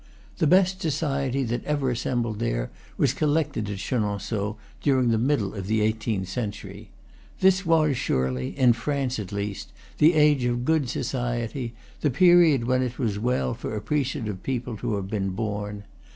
The best society that ever assembled there was collected at Chenon ceaux during the middle of the eighteenth century. This was surely, in France at least, the age of good society, the period when it was well for appreciative people to have been born.